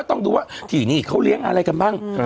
ต้องดูว่าที่นี่เขาเลี้ยงอะไรกันบ้าง